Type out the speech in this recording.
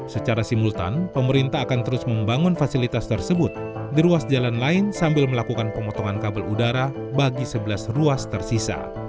secara simultan pemerintah akan terus membangun fasilitas tersebut di ruas jalan lain sambil melakukan pemotongan kabel udara bagi sebelas ruas tersisa